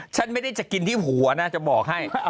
ฉันไม่ได้จะกินที่หัวนะจะบอกให้